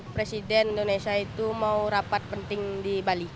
presiden indonesia itu mau rapat penting di bali